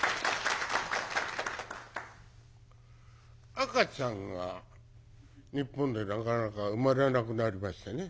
赤ちゃんが日本でなかなか生まれなくなりましたね。